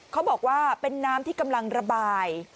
เขาบอกว่าเป็นน้ำที่กำลังระบาย